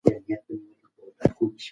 ګلالۍ په ډېرې نېکمرغۍ سره دسترخوان ټول کړ.